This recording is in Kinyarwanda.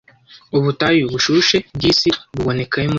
Ubutayu bushushe bwisi buboneka he muri rusange